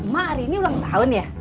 mak hari ini ulang tahun ya